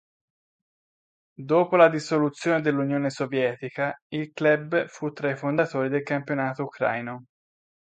Dopo la dissoluzione dell'Unione Sovietica, il club fu tra i fondatori del campionato ucraino.